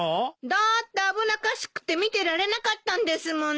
だって危なっかしくて見てられなかったんですもの。